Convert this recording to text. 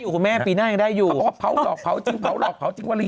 เขาบอกว่าเผาหลอกเผาจริงเผาหลอกเผาจริง